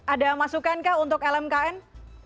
ada masukan kah untuk lmkn